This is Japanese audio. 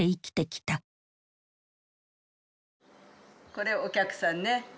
これお客さんね。